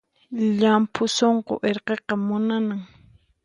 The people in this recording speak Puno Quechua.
Llampu sunqu irqiqa munanan